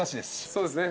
そうですね